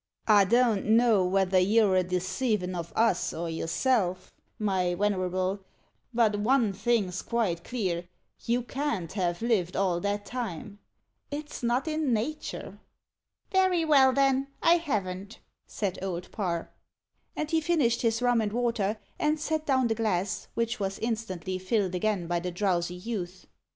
"I don't know vether you're a deceivin' of us or yourself, my wenerable; but von thing's quite clear you can't have lived all that time. It's not in nater." "Very well, then I haven't," said Old Parr. And he finished his rum and water, and set down the glass, which was instantly filled again by the drowsy youth.